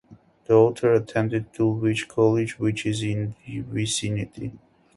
The author attended Dulwich College, which is in the vicinity.